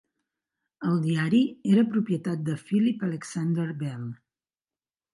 El diari era propietat de Philip Alexander Bell.